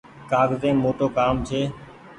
ڪآگز يم موٽو ڪآم ڇي۔